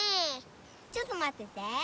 ちょっとまってて。